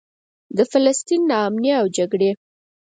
د فلسطین نا امني او جګړې.